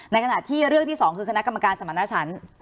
ในขณะที่เรื่องที่สองคือคณะกรรมการสมรรถนาชัน